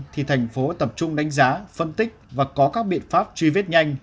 thì thành phố tập trung đánh giá phân tích và có các biện pháp truy vết nhanh